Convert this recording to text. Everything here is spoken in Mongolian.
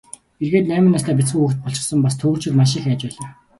Эргээд найман настай бяцхан хүүхэд болчихсон, бас төөрчхөөд маш их айж байлаа.